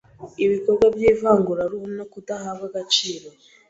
Ibikorwa by’ivanguraruhu no kudahabwa agaciro